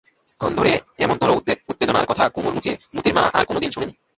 এতক্ষণ ধরে এমনতরো উত্তেজনার কথা কুমুর মুখে মোতির মা আর-কোনোদিন শোনে নি।